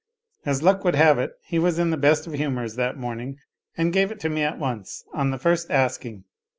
As luck would have it he was in the best of humours that morning, and gave it to me at once, on the first asking.